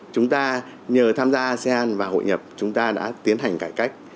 chúng ta nhờ tham gia asean và hội nhập chúng ta đã tiến hành cải cách